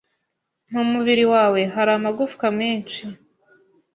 Mu mubiri wawe hari amagufwa menshi.